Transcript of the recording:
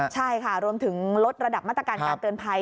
ใช่ค่ะรวมถึงลดระดับมาตรการการเตือนภัย